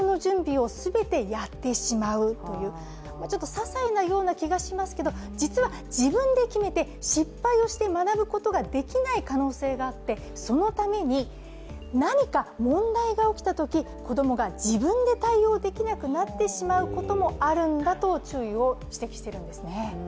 ささいなような気がしますけど、実は自分で決めて失敗をして学ぶことができない可能性があって、そのために、何か問題が起きたとき子供が自分で対応できなくなってしまうこともあるんだと注意を指摘しているんですね。